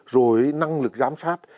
rồi năng lực giám sát